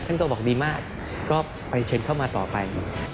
ตัวบอกดีมากก็ไปเชิญเข้ามาต่อไป